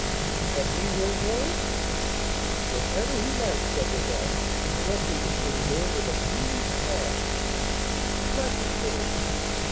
"But he will go " "Wherever he likes," said Rodolph, interrupting the Chourineur with a meaning smile. The black returned.